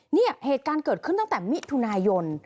เนี่ยเหตุการณ์เกิดขึ้นตั้งแต่มิถุนายน